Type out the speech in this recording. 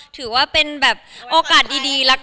ถือว่าเป็นโอกาสดี